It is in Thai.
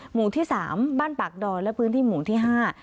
หมู่ที่สามบ้านปากดอนและพื้นที่หมู่ที่ห้า